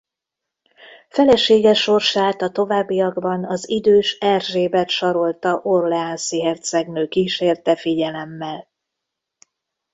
Felesége sorsát a továbbiakban az idős Erzsébet Sarolta orléans-i hercegnő kísérte figyelemmel.